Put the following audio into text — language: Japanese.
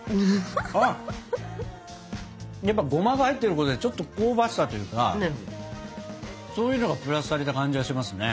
やっぱゴマが入ってることでちょっと香ばしさというかそういうのがプラスされた感じがしますね。